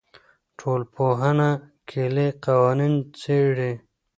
ټولنپوهنه کلي قوانین څېړي.